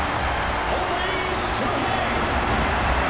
大谷翔平！